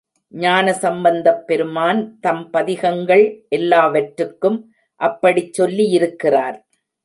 ஞானசம்பந்தப் பெருமான் தம் பதிகங்கள் எல்லாவற்றுக்கும் அப்படிச் சொல்லியிருக்கிறார்.